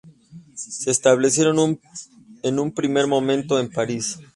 Se establecieron en un primer momento en París.